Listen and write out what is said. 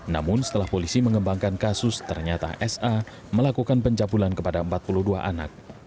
namun setelah polisi mengembangkan kasus ternyata sa melakukan pencabulan kepada empat puluh dua anak